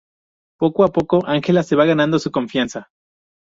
Poco a poco, Ángela se va ganando su confianza.